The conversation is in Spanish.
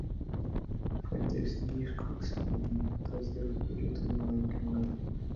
Fuentes: Discogs y notas del folleto de "American Life".